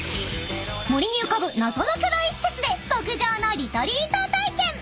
［森に浮かぶ謎の巨大施設で極上のリトリート体験］